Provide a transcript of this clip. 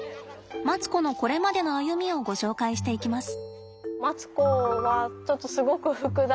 マツコのこれまでの歩みをご紹介していきます。